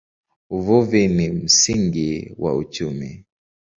Uvuvi ni msingi wa uchumi.